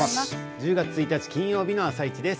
１０月１日の「あさイチ」です。